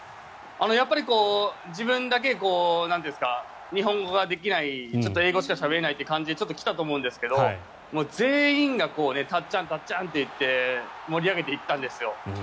やっぱり自分だけ日本語ができないちょっと英語しかしゃべれないという感じで来たと思うんですけど全員がたっちゃん、たっちゃんって盛り上げていったんですよ。